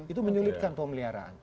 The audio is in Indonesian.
itu menyulitkan pemeliharaan